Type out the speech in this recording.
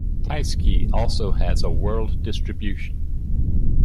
"Tyskie" also has a world distribution.